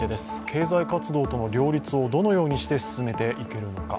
経済活動との両立をどのようにして進めていけるのか。